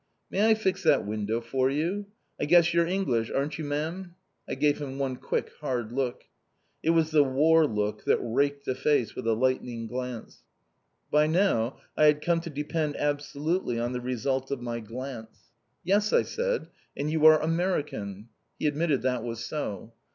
"May I fix that window for you? I guess you're English, aren't you, ma'am?" I gave him one quick hard look. It was the War Look that raked a face with a lightning glance. By now, I had come to depend absolutely on the result of my glance. "Yes!" I said, "and you are American." He admitted that was so.